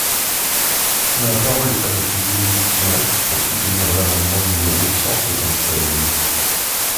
La parole est à Monsieur Dominique Tian, pour soutenir l’amendement numéro cent soixante-seize.